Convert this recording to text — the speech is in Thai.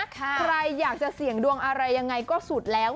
ใครอยากจะเสี่ยงดวงอะไรยังไงก็สุดแล้ว